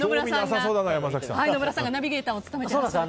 野村さんがナビゲーターを務めてらっしゃってる。